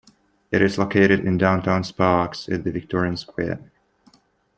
It is located in Downtown Sparks at the Victorian Square.